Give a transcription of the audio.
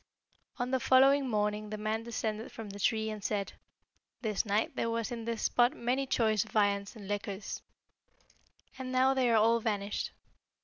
"On the following morning the man descended from the tree, and said, 'This night there was in this spot many choice viands and liquors, and now they are all vanished.'